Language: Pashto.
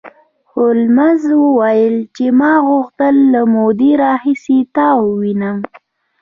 هولمز وویل چې ما غوښتل له مودې راهیسې تا ووینم